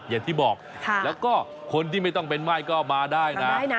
อย่างที่บอกแล้วก็คนที่ไม่ต้องเป็นไหม้ก็มาได้นะ